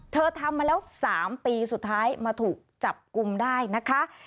ทำมาแล้ว๓ปีสุดท้ายมาถูกจับกลุ่มได้นะคะ